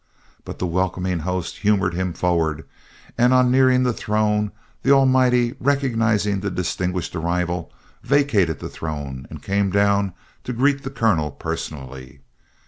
But the welcoming hosts humored him forward, and on nearing the throne, the Almighty, recognizing the distinguished arrival, vacated the throne and came down to greet the Colonel personally.